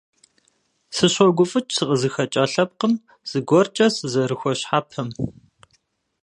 Сыщогуфӏыкӏ сыкъызыхэкӏа лъэпкъым зыгуэркӏэ сызэрыхуэщхьэпам.